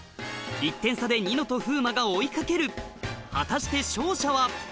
１点差でニノと風磨が追い掛ける果たして勝者は？